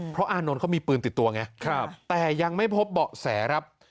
เพราะอานนท์เขามีปืนติดตัวไงแต่ยังไม่พบเบาะแสครับ